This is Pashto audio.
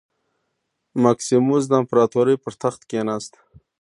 مکسیموس د امپراتورۍ پر تخت کېناست.